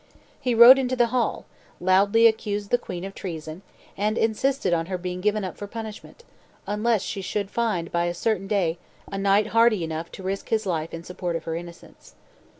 He rode into the hall, loudly accused the queen of treason, and insisted on her being given up for punishment, unless she should find by a certain day a knight hardy enough to risk his life in support of her innocence.